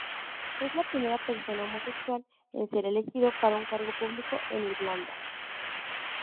Es la primera persona homosexual en ser elegido para un cargo público en Irlanda.